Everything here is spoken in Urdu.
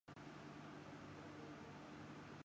ا دھر سیاست بھی کرتے ہیں ووٹ دیتے ہیں اور لیتے بھی ہیں